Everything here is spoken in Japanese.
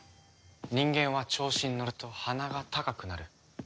人間は調子にのると鼻が高くなる。